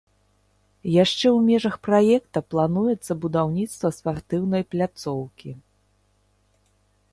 Яшчэ ў межах праекта плануецца будаўніцтва спартыўнай пляцоўкі.